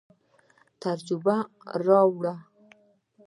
تجربه راوړو.